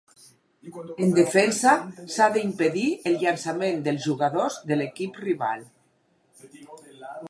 En defensa, s'ha d'impedir el llançament dels jugadors de l'equip rival.